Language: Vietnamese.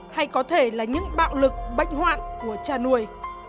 hay có thể là những bạo lực bách hoạn của cha nuôi